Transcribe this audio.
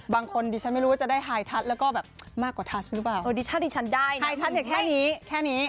บางคนดิฉันไม่รู้ว่าจะได้ไฮทัศน์แล้วก็แบบมากกว่าทัชหรือเปล่าเออดิชาติดิฉันได้นะไฮทัศเนี่ยแค่นี้แค่นี้